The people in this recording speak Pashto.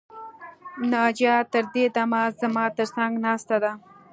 ناجیه تر دې دمه زما تر څنګ ناسته ده